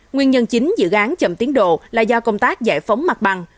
nguyên nhân chính dự án chậm tiến độ là do công tác giải phóng mặt bằng